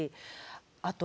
あと